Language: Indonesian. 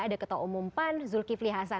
ada ketua umum pan zulkifli hasan